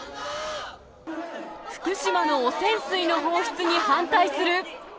福島の汚染水の放出に反対する。